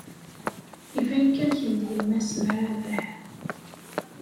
Iban kan kemm d yemma-s n Rabaḥ.